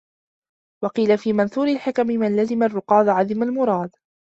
وَقِيلَ فِي مَنْثُورِ الْحِكَمِ مَنْ لَزِمَ الرُّقَادَ عَدِمَ الْمُرَادَ